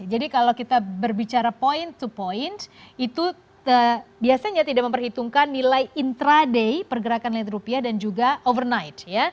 jadi kalau kita berbicara point to point itu biasanya tidak memperhitungkan nilai intraday pergerakan rupiah dan juga overnight